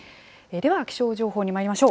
では気象情報にまいりましょう。